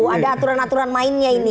ada aturan aturan mainnya ini